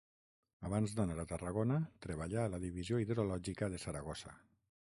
Abans d'anar a Tarragona treballà a la Divisió Hidrològica de Saragossa.